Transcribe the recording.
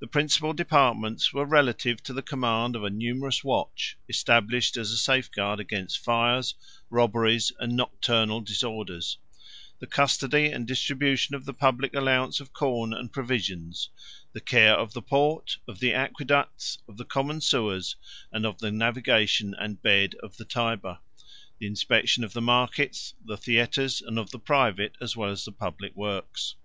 The principal departments were relative to the command of a numerous watch, established as a safeguard against fires, robberies, and nocturnal disorders; the custody and distribution of the public allowance of corn and provisions; the care of the port, of the aqueducts, of the common sewers, and of the navigation and bed of the Tyber; the inspection of the markets, the theatres, and of the private as well as the public works.